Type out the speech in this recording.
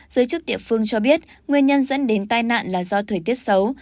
giới chức địa phương cho biết nguyên nhân dẫn đến tai nạn là do thời tiết xấu